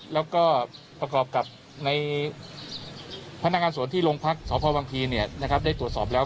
แล้วก็ประกอบกับในพนักงานสวนที่โรงพักษพวังพีได้ตรวจสอบแล้ว